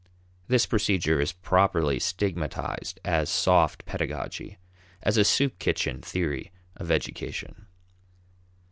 This procedure is properly stigmatized as "soft" pedagogy; as a "soup kitchen" theory of education.